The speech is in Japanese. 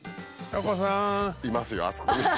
いますよあそこに。